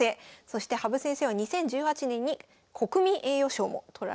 そして羽生先生は２０１８年に国民栄誉賞も取られております。